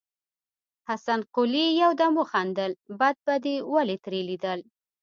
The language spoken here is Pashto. حسن قلي يودم وخندل: بد به دې ولې ترې ليدل.